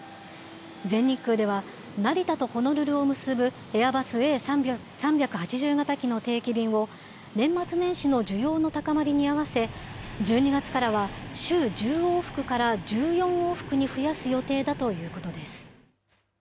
全日空では、成田とホノルルを結ぶエアバスＡ３８０型機の定期便を、年末年始の需要の高まりに合わせ、１２月からは、週１０往復から１４往復に増やす予定だということです。